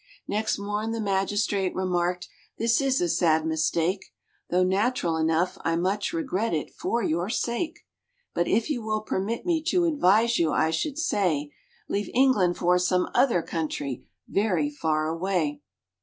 Next morn the magistrate remarked, "This is a sad mistake, Though natural enough, I much regret it for your sake; But if you will permit me to advise you, I should say Leave England for some other country, very far away.